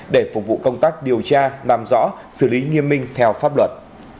để phục vụ công tác điều tra làm rõ xử lý nghiêm minh theo pháp luật